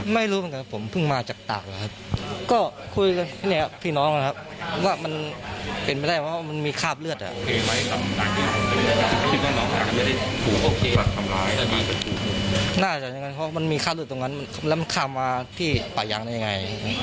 แล้วมันขาวมาที่ป่ายังได้ยังไง